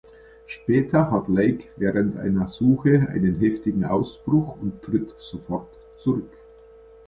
Später hat Lake während einer Suche einen heftigen Ausbruch und tritt sofort zurück.